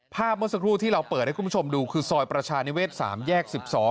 เมื่อสักครู่ที่เราเปิดให้คุณผู้ชมดูคือซอยประชานิเวศ๓แยก๑๒